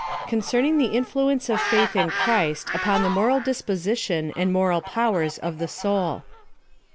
CCNCERNING THE INFLUENCEOF FAITH IN CHRiST UPON THE MORAL DISPOSITION AND MORAL POW ERS OF THE SOUL.